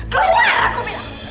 keluar aku bilang